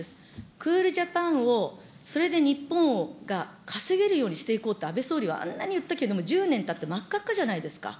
クールジャパンをそれで日本が稼げるようにしていこうって安倍総理はあんなに言ったけれども、１０年たって真っ赤っかじゃないですか。